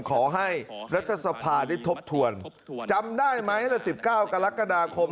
ขอให้รัฐสภาได้ทบทวนจำได้ไหมละ๑๙กรกฎาคม